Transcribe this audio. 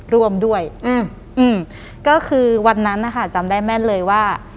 ร่วมด้วยอืมก็คือวันนั้นนะคะจำได้แม่นเลยว่า